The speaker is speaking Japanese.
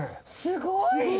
すごい！